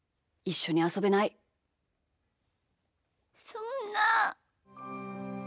そんな。